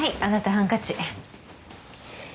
ハンカチ。